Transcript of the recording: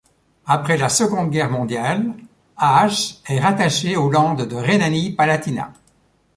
Après la seconde guerre mondiale, Aach est rattaché au Land de Rhénanie-Palatinat.